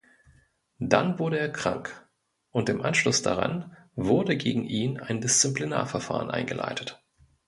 Dann wurde er krank, und im Anschluss daran wurde gegen ihn ein Disziplinarverfahren eingeleitet.